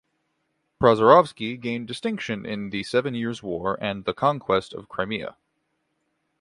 Prozorovsky gained distinction in the Seven Years' War and the conquest of Crimea.